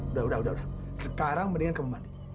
udah udah udah sekarang mendingan kamu mandi